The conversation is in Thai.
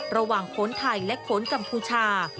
ระหว่างโขนไทยและโขนกัมพูชา